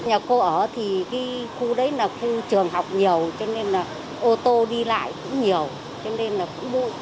nhà cô ở thì cái khu đấy là khu trường học nhiều cho nên là ô tô đi lại cũng nhiều cho nên là cũng bụi